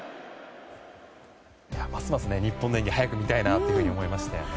ますます日本の演技早く見たいなと思いましたね。